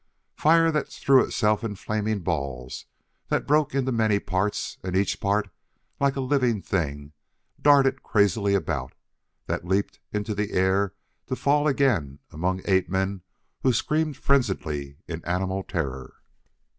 _] Fire that threw itself in flaming balls; that broke into many parts and each part, like a living thing, darted crazily about; that leaped into the air to fall again among ape men who screamed frenziedly in animal terror.